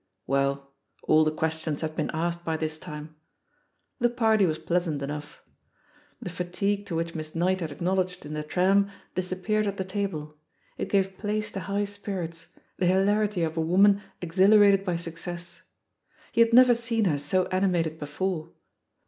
Well, all the questions had been asked by this time. The party was pleasant enough* The fatigue 78 THE POSITION OF PEGGY HARPER to which Miss Knight had acknowledged in the tram disappeared at the table; it gave place to high spirits, the hilarity of a woman exhilarated by success. He had never seen her so animated before.